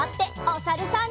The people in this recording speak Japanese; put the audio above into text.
おさるさん。